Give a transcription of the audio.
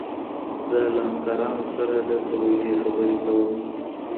زه له همکارانو سره د پروژې خبرې کوم.